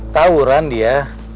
tau ran dia